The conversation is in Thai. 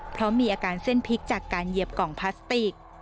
เพราะมีอาการเส้นพลิกจากการเหยียบกล่องพลาสติก